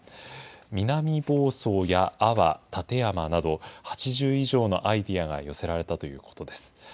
南房総や安房、館山など、８０以上のアイデアが寄せられたということです。